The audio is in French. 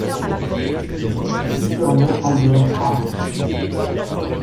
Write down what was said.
L'historien Albert-A.